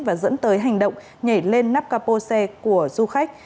và dẫn tới hành động nhảy lên nắp capo xe của du khách